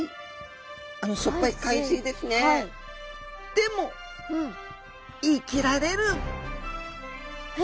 でも生きられる！え！？